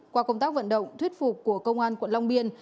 qua công tác vận động thuyết phục của công an quận long biên